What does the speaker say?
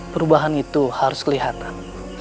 perubahan itu harus kelihatan